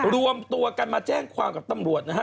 รวมตัวกันมาแจ้งความกับตำรวจนะฮะ